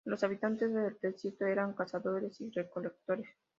Los habitantes del desierto eran cazadores y recolectores.